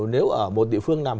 nếu một địa phương nào